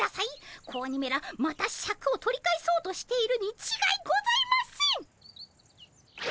子鬼めらまたシャクを取り返そうとしているにちがいございません。